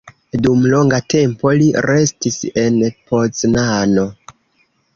Dum longa tempo li restis en Poznano.